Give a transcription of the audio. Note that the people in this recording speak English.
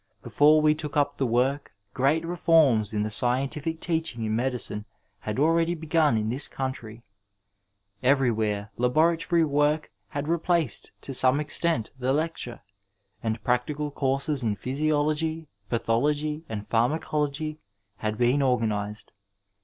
Before we took up the work great reforms in the scientific teaching in medicine had already begun in this country. Everywhere laboratory work had replaced to some extent the lecture, and practical courses in physiology, pathology and pharmacology had been organized.